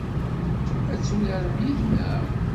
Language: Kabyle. Ad turarem yid-neɣ?